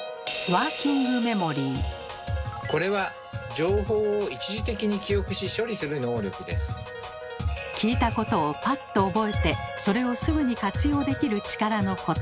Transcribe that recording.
そして聞いたことをパッと覚えてそれをすぐに活用できる力のこと。